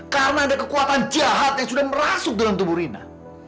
karena ada kekuatan jahat yang sudah merasuk dalam tubuh rina